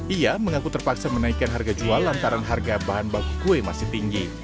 ia mengaku terpaksa menaikkan harga jual lantaran harga bahan baku kue masih tinggi